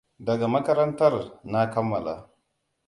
Daga makarantar na kammala.